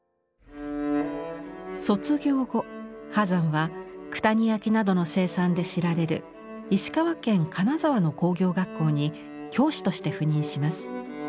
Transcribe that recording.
卒業後波山は九谷焼などの生産で知られる石川県金沢の工業学校に教師として赴任します。